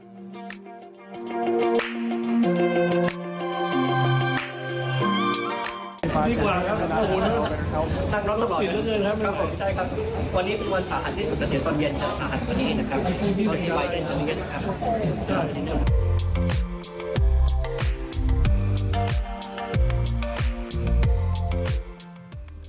เย็นกันอย่างเงี้ย